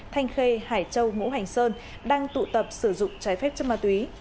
thanh khê hải châu ngũ hành sơn đang tụ tập sử dụng trái phép chất ma túy